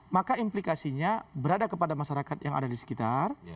maka implikasinya berada kepada masyarakat yang ada di sekitar